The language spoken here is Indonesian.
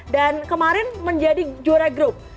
dan kemarin menjadi juara grup